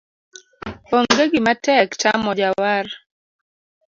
Onge gimatek tamo jawar.